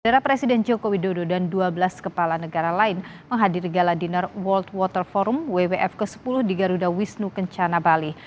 era presiden joko widodo dan dua belas kepala negara lain menghadiri gala dinner world water forum wwf ke sepuluh di garuda wisnu kencana bali